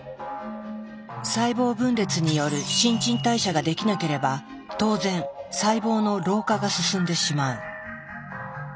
細胞分裂による新陳代謝ができなければ当然細胞の老化が進んでしまう。